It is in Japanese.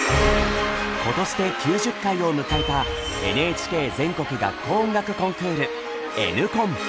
今年で９０回を迎えたＮＨＫ全国学校音楽コンクール「Ｎコン」。